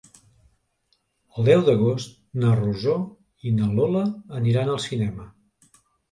El deu d'agost na Rosó i na Lola aniran al cinema.